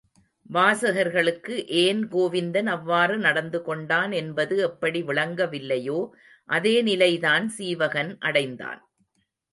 வாசகர்களுக்கு ஏன் கோவிந்தன் அவ்வாறு நடந்து கொண்டான் என்பது எப்படி விளங்க வில்லையோ அதே நிலைதான் சீவகன் அடைந்தான்.